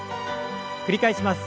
繰り返します。